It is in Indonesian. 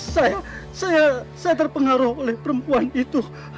saya saya terpengaruh oleh perempuan itu